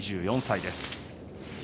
２４歳です。